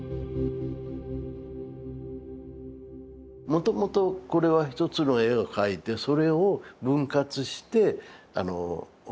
もともとこれは一つの絵を描いてそれを分割して送ってくるっていう。